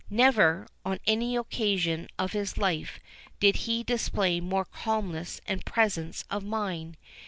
Never, on any occasion of his life, did he display more calmness and presence of mind.